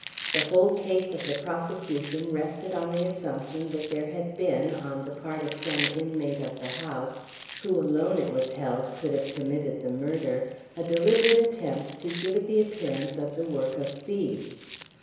The whole case of the prosecution rested on the assumption that there had been, on the part of some inmate of the house, who alone (it was held) could have committed the murder, a deliberate attempt to give it the appearance of the work of thieves.